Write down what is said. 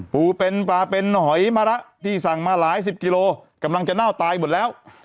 ปูเป็นปลาเป็นหอยมะระที่สั่งมาหลายสิบกิโลกำลังจะเน่าตายหมดแล้ว